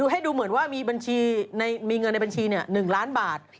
ให้ดูเหมือนว่ามีเงินในบัญชี๑ล้านบาท